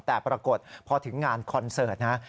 แต่ปรากฏพอถึงงานคอนเสิร์ตนะ